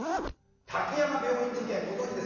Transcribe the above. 滝山病院事件ご存じですか？